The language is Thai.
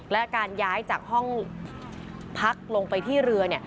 และการย้ายจากห้องพักลงไปที่เรือ